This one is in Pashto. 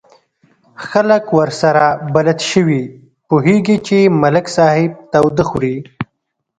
خلک ورسره بلد شوي، پوهېږي چې ملک صاحب تاوده خوري.